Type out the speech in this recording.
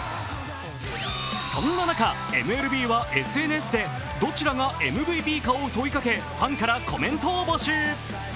そんな中、ＭＬＢはＳＮＳでどちらがＭＶＰかを問いかけファンからコメントを募集。